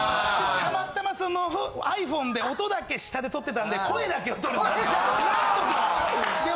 たまたまそのｉＰｈｏｎｅで音だけ下で撮ってたんで声だけは撮れてたんで。